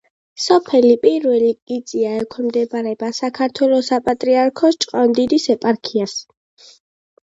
სოფელი პირველი კიწია ექვემდებარება საქართველოს საპატრიარქოს ჭყონდიდის ეპარქიას.